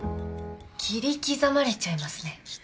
切り刻まれちゃいますね。